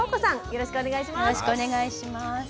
よろしくお願いします。